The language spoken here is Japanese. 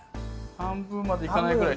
半分いかないぐらい。